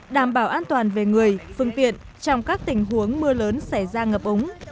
đảm bảo an toàn về người phương tiện trong các tình huống mưa lớn xảy ra ngập ống